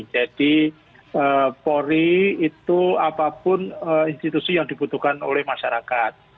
jadi pori itu apapun institusi yang dibutuhkan oleh masyarakat